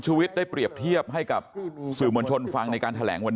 วิทย์ได้เปรียบเทียบให้กับสื่อมวลชนฟังในการแถลงวัน